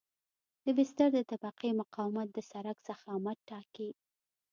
د بستر د طبقې مقاومت د سرک ضخامت ټاکي